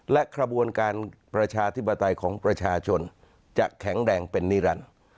และกระบวนการประชาธิปไตยของประชาชนจะแข็งแรงเป็นนิรันดิ์